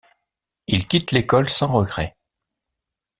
Il quitte l'école sans regret.